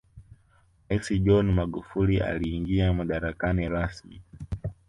raisi john magufuli aliingia madarakani rasmi